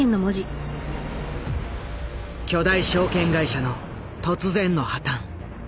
巨大証券会社の突然の破たん。